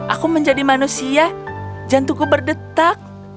aku menjadi manusia jantungku berdetak